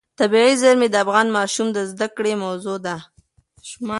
طبیعي زیرمې د افغان ماشومانو د زده کړې موضوع ده.